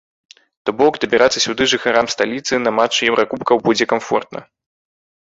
То бок дабірацца сюды жыхарам сталіцы на матчы еўракубкаў будзе камфортна.